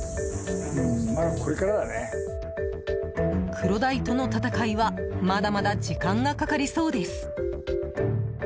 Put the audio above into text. クロダイとの戦いはまだまだ時間がかかりそうです。